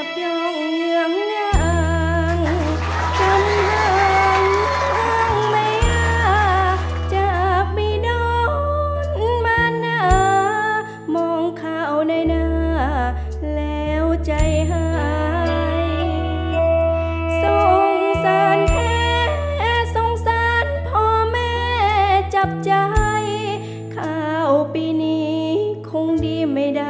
เพลงที่๒เพลงมาครับขอโชคดี